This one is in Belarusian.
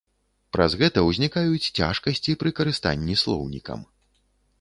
Праз гэта ўзнікаюць цяжкасці пры карыстанні слоўнікам.